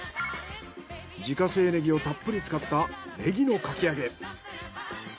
自家製ネギをたっぷり使ったネギのかき揚げ。